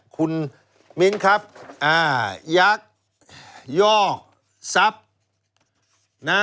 คุณมิ้นครับอ่ายักษ์ยอกซับนะ